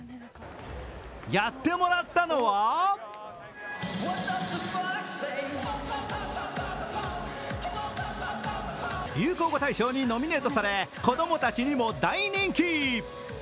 やってもらったのは流行語大賞にノミネートされ子供たちにも大人気。